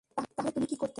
তাহলে তুমি কি করতে?